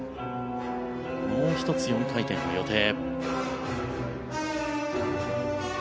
もう１つ４回転予定。